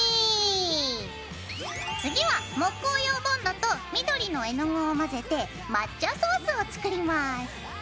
次は木工用ボンドと緑の絵の具を混ぜて抹茶ソースを作ります。